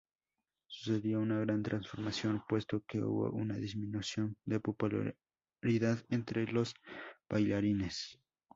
Sucedió una gran transformación, puesto que hubo una disminución de popularidad entro los bailarines.